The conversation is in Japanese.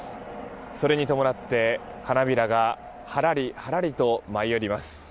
それに伴って、花びらがはらりはらりと舞い降ります。